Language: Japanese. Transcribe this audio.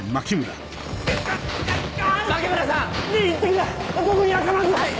はい！